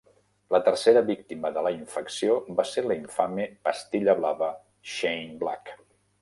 La tercera víctima de la infecció va ser l'infame "pastilla blava" Shane Black.